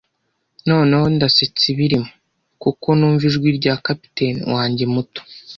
Noneho ndasetsa ibirimo, kuko numva ijwi rya capitaine wanjye muto,